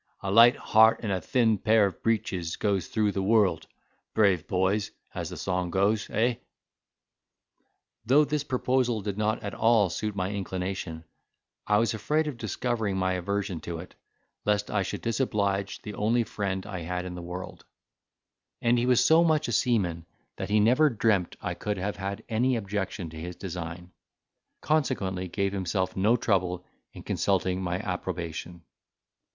A light heart and a thin pair of breeches goes through the world, brave boys, as the song goes—eh!" Though this proposal did not at all suit my inclination, I was afraid of discovering my aversion to it, lest I should disoblige the only friend I had in the world; and he was so much a seaman that he never dreamt I could have had any objection to his design; consequently gave himself no trouble in consulting my approbation.